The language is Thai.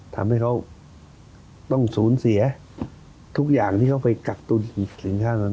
ทำให้เขาต้องสูญเสียทุกอย่างที่เขาไปกักตุ้นสินค้านั้น